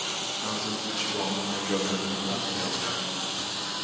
Mas o futebol não é jogado em papel.